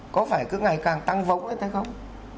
có phải cứ ngày càng tăng vỗng thế không